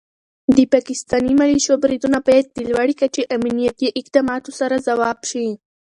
د پاکستاني ملیشو بریدونه باید د لوړ کچې امنیتي اقداماتو سره ځواب شي.